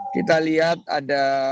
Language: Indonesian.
kita lihat ada